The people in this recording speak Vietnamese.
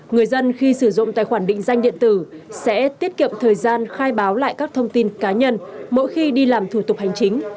người dân khi sử dụng tài khoản định danh điện tử sẽ tiết kiệm thời gian khai báo lại các thông tin cá nhân mỗi khi đi làm thủ tục hành chính